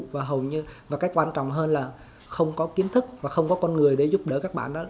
và hầu như và cách quan trọng hơn là không có kiến thức và không có con người để giúp đỡ các bạn đó